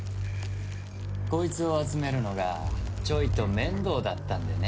こいつを集めるのがちょいと面倒だったんでね。